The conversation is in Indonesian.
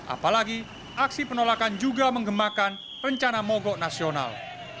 apalagi aksi penolakan juga menggemakan rencana mogok nasional